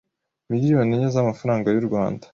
miliyoni enye z’amafaranga y’u Rwanda.